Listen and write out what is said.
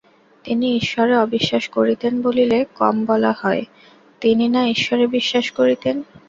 তিনি ঈশ্বরে অবিশ্বাস করিতেন বলিলে কম বলা হয়, তিনি না-ঈশ্বরে বিশ্বাস করিতেন।